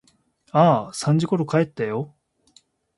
ああ、三時ころ帰ったよ。